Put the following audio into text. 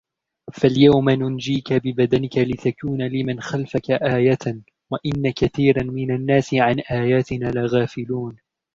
فَالْيَوْمَ نُنَجِّيكَ بِبَدَنِكَ لِتَكُونَ لِمَنْ خَلْفَكَ آيَةً وَإِنَّ كَثِيرًا مِنَ النَّاسِ عَنْ آيَاتِنَا لَغَافِلُونَ